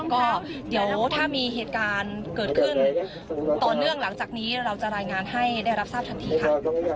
ก็เดี๋ยวถ้ามีเหตุการณ์เกิดขึ้นต่อเนื่องหลังจากนี้เราจะรายงานให้ได้รับทราบทันทีค่ะ